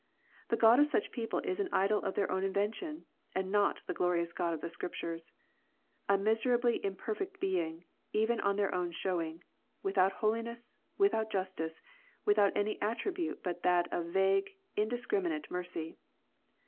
The god of such people is an idol of their own invention, and not the glorious God of the Scriptures, a miserably imperfect being, even on their own showing, without holiness, without justice, without any attribute but that of vague, indiscriminate mercy.